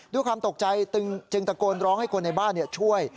ด้วยความตกใจจึงตะโกนร้องให้คนในบ้านช่วย